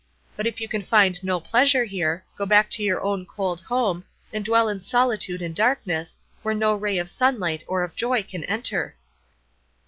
But if you can find no pleasure here, go back to your own cold home, and dwell in solitude and darkness, where no ray of sunlight or of joy can enter.